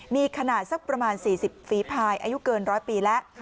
มีขนาดสักประมาณ๔๐ฝีภายอายุเกิน๑๐๐ปีแล้ว